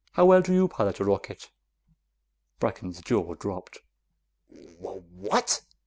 "How well do you pilot a rocket?" Brecken's jaw dropped. "Wh wh what?